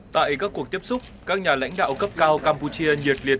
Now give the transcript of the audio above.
tại các cuộc tiếp xúc các nhà lãnh đạo cấp cao campuchia nhiệt liệt